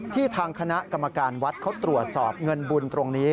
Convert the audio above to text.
ทางคณะกรรมการวัดเขาตรวจสอบเงินบุญตรงนี้